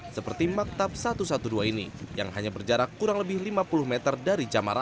seperti maktab satu ratus dua belas ini yang hanya berjarak kurang lebih lima puluh meter dari jamara